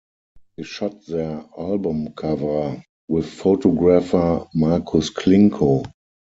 They shot their album cover with photographer Markus Klinko.